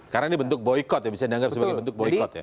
karena ini bentuk boycott ya bisa dianggap sebagai bentuk boycott ya